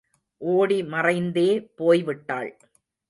ஓடி மறைந்தே போய் விட்டாள்.